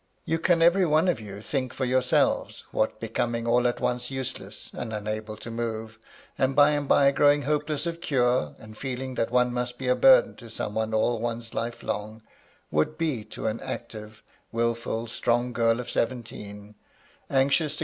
You can every one of you think for yourselves what becoming all at once useless and unable to move, and by and by growing hopeless of cure^ and feeling that one must be a burden to some one all one's life long, would be to an active, wilfiil, strong girl of seventeen, anxious to 64 MY LADY LUDLOW.